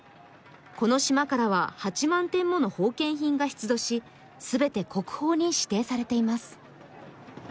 この島からは８万点もの奉献品が出土し、全て国宝に指定されています。